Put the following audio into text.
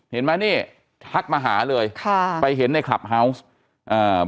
เห็นไหมนี่ทักมาหาเลยค่ะไปเห็นในคลับเฮาวส์อ่า